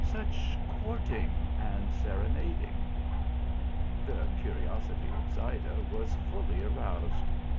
such courting and serenad ing" !" The curiosity of Zayda was fully aroused.